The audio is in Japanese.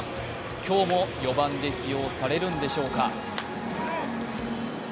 今日も４番で起用されるんでしょうか。